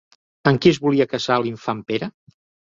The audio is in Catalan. Amb qui es volia casar l'infant Pere?